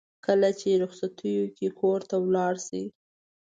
کله چې رخصتیو کې کور ته لاړ شي.